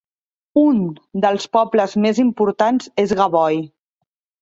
Un dels pobles més importants és Gavoi.